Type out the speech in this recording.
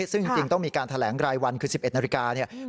ซึ่งจริงจริงต้องมีการแถลงรายวันคือสิบเอ็ดนาฬิกาเนี่ยอืม